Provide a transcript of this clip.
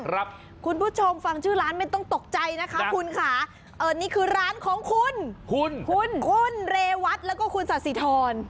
คุณผู้ชมฟังชื่อร้านไม่ต้องตกใจนะคะคุณค่ะเออนี่คือร้านของคุณคุณคุณเรวัตแล้วก็คุณสาธิธร